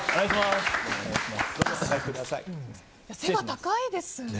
背が高いですね。